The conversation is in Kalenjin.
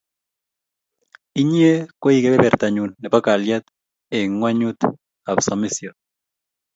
Inye koi kepepertanyun nepo kalyet eng' ng'onyut ap somisyo.